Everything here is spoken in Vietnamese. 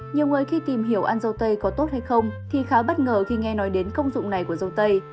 nhiều người khi tìm hiểu ăn dâu tây có tốt hay không thì khá bất ngờ khi nghe nói đến công dụng này của dâu tây